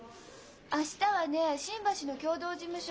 明日はね新橋の共同事務所。